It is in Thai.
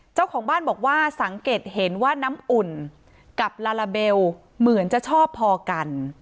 เจ้าของบ้านบอกว่าสังเกตเห็นว่าน้ำอุ่นกับลาลาเบลเหมือนจะชอบพอกัน